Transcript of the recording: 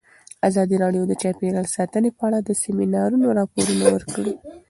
ازادي راډیو د چاپیریال ساتنه په اړه د سیمینارونو راپورونه ورکړي.